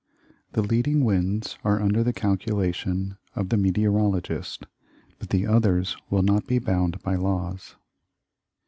The leading winds are under the calculation of the meteorologist, but the others will not be bound by laws.